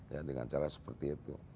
ya dengan cara seperti itu